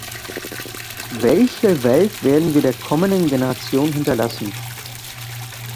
Welche Welt werden wir der kommenden Generation hinterlassen?